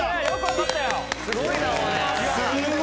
すごいなお前。